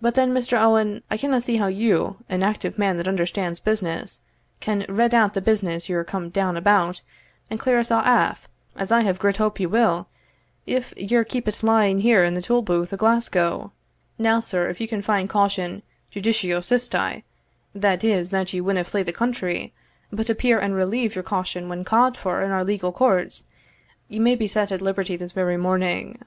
But then, Mr. Owen, I canna see how you, an active man that understands business, can redd out the business ye're come down about, and clear us a' aff as I have gritt hope ye will if ye're keepit lying here in the tolbooth of Glasgow. Now, sir, if you can find caution judicio sisti, that is, that ye winna flee the country, but appear and relieve your caution when ca'd for in our legal courts, ye may be set at liberty this very morning."